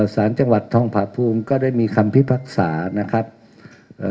สารจังหวัดทองผาภูมิก็ได้มีคำพิพากษานะครับเอ่อ